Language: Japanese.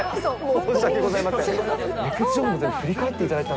申し訳ございません。